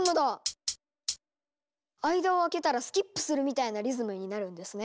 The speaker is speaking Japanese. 間を空けたらスキップするみたいなリズムになるんですね。